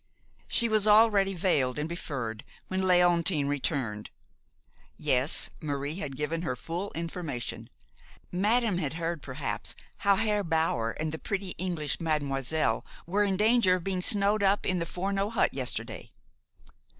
She was already veiled and befurred when Léontine returned. Yes, Marie had given her full information. Madam had heard, perhaps, how Herr Bower and the pretty English mademoiselle were in danger of being snowed up in the Forno hut yesterday.